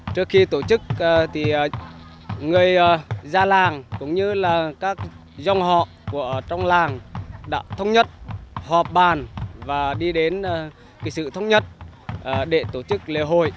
trước khi tổ chức thì người ra làng cũng như là các dòng họ trong làng đã thống nhất họp bàn và đi đến sự thống nhất để tổ chức lễ hội